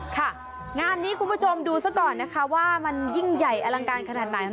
ค่ะงานนี้คุณผู้ชมดูซะก่อนนะคะว่ามันยิ่งใหญ่อลังการขนาดไหน